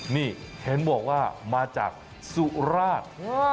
นี่เห็นบอกว่ามาจากสุราช